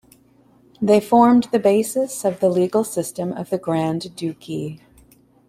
They formed the basis of the legal system of the Grand Duchy.